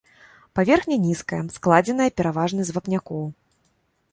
Паверхня нізкая, складзеная пераважна з вапнякоў.